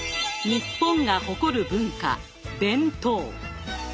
日本が誇る文化弁当。